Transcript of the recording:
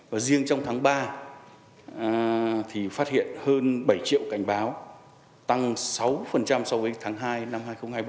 và riêng trong tháng ba thì phát hiện hơn bảy triệu cảnh báo tăng sáu so với tháng hai năm hai nghìn hai mươi bốn